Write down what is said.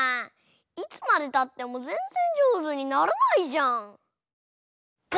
いつまでたってもぜんぜんじょうずにならないじゃん！